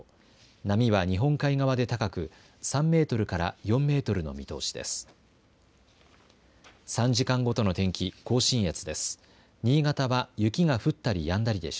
波は日本海側で高く、３メートルから４メートルの見通しです。